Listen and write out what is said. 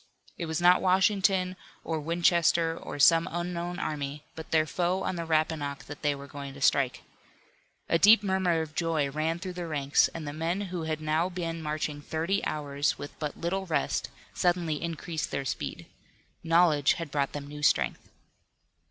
It was not Washington, or Winchester, or some unknown army, but their foe on the Rappahannock that they were going to strike. A deep murmur of joy ran through the ranks, and the men who had now been marching thirty hours, with but little rest, suddenly increased their speed. Knowledge had brought them new strength.